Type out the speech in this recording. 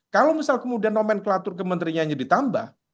kalau misal kemudian nomenklatur kementeriannya ditambah